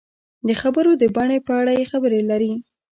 د خبرو د بڼې په اړه یې خبرې لري.